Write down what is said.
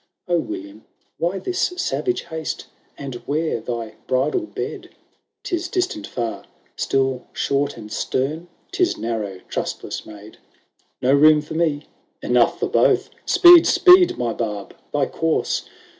" O William, why this savage haste ? And where thy bridal bed ?"" 'Tis distant far." " Still short and stern ?"" 'Tis narrow, trustless maid." XLVI "No room for me ?"" Enough for both ;— Speed, speed, my Barb, thy course